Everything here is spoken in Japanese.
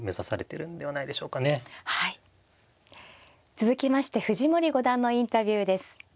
続きまして藤森五段のインタビューです。